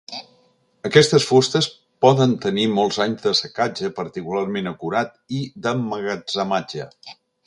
Aquestes fustes poden tenir molts anys d'assecatge particularment acurat i d'emmagatzematge.